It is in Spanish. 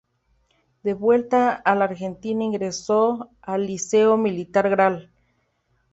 De vuelta en la Argentina ingreso al Liceo Militar Gral.